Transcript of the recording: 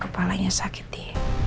kepalanya sakit di